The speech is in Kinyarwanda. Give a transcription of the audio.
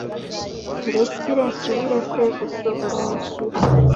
Ndekire nsubire kwe sogoumunsiru